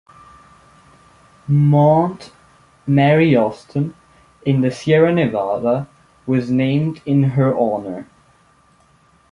Mount Mary Austin, in the Sierra Nevada, was named in her honor.